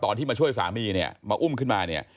ที่มาช่วยสามีเนี่ยมาอุ้มขึ้นมาเนี่ย